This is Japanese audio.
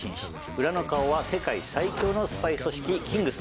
裏の顔は世界最強のスパイ組織キングスマン。